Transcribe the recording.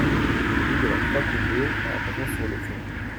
Rue de la Croix Combeau à Brain-sur-l'Authion